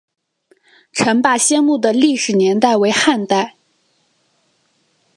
陈霸先墓的历史年代为汉代。